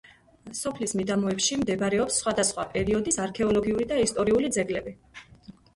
სოფლის მიდამოებში მდებარეობს სხვადასხვა პერიოდის არქეოლოგიური და ისტორიული ძეგლები.